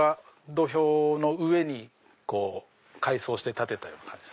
土俵の上に改装して建てたような感じ。